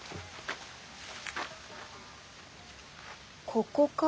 ここか？